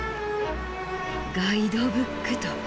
ガイドブックと。